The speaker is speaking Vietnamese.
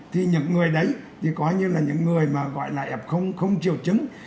thì những người đấy thì coi như là những người mà gọi là f không triệu chứng